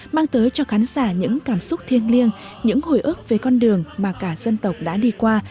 mang tới cho khán giả những cảm xúc thiêng liêng những hồi ước về con đường mà cả dân tộc đã đi qua